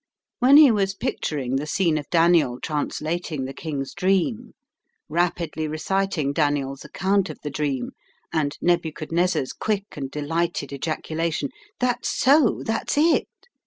When he was picturing the scene of Daniel translating the king's dream, rapidly reciting Daniel's account of the dream, and Nebuchadnezzar's quick and delighted ejaculation, "That's so!" "That's it!"